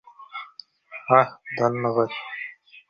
আহ, ধন্যবাদ।